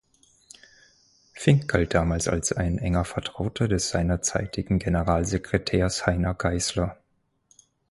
Fink galt damals als ein enger Vertrauter des seinerzeitigen Generalsekretärs Heiner Geißler.